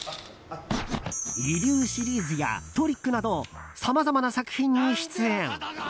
「医龍」シリーズや「トリック」などさまざまな作品に出演。